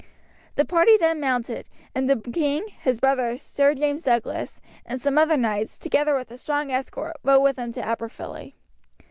The party then mounted, and the king, his brother, Sir James Douglas, and some other knights, together with a strong escort, rode with them to Aberfilly.